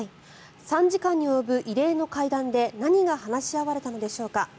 ３時間に及ぶ異例の会談で何が話し合われたのでしょうか。